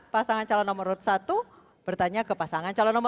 pasangan calon nomor satu bertanya ke pasangan calon nomor satu